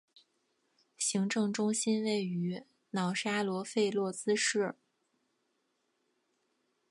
行政中心位于瑙沙罗费洛兹市。